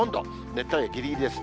熱帯夜ぎりぎりです。